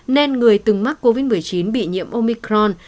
nên người từng mắc covid một mươi chín bị nhiễm omicron